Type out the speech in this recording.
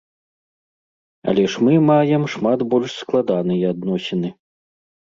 Але ж мы маем шмат больш складаныя адносіны.